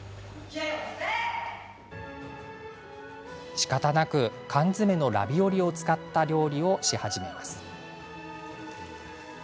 しかたなく缶詰のラビオリを使った料理をし始めます。